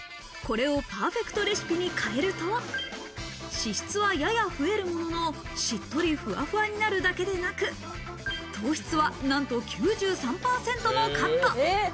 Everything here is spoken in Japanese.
これをパーフェクトレシピに変えると、脂質はやや増えるものの、しっとりふわふわになるだけでなく、糖質は、なんと９３％もカット。